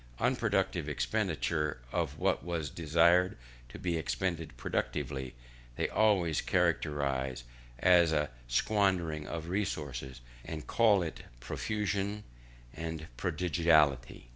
Unproductive expenditure of what was destined to be expended productively, they always characterise as a squandering of resources, and call it profusion and prodigality.